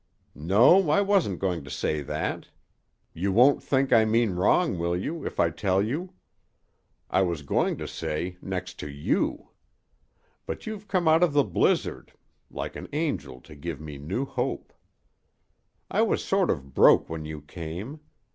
"No, I wasn't going to say that. You won't think I mean wrong, will you, if I tell you? I was going to say next to you. For you've come out of the blizzard like an angel to give me new hope. I was sort of broke when you came.